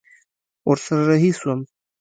ورسره رهي سوم.